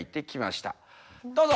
どうぞ！